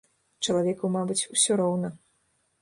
Чалавеку, мабыць, усё роўна.